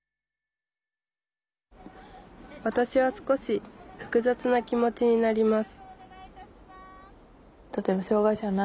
わたしは少し複雑な気持ちになります